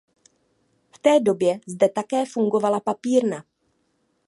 V té době zde také fungovala papírna.